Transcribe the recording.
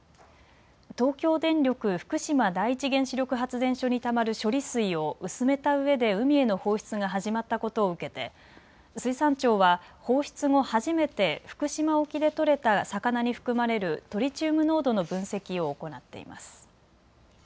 東京電力福島第一原子力発電所にたまる処理水を薄めたうえで海への放出が始まったことを受けて水産庁は放出後初めて福島沖で取れた魚に含まれるトリチウム濃度の分析を行っています。